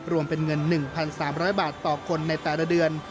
รวมเป็นเงิน๑๓๐๐บาทต่อคนในแต่ละเดือน